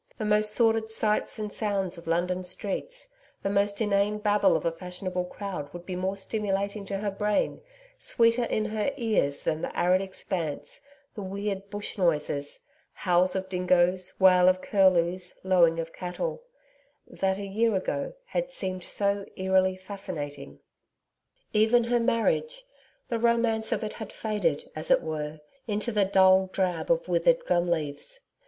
The most sordid sights and sounds of London streets, the most inane babble of a fashionable crowd would be more stimulating to her brain, sweeter in her ears than the arid expanse, the weird bush noises howl of dingoes, wail of curlews, lowing of cattle that a year ago had seemed so eerily fascinating. Even her marriage! The romance of it had faded, as it were, into the dull drab of withered gum leaves.